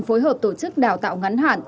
phối hợp tổ chức đào tạo ngắn hạn